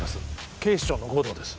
警視庁の護道です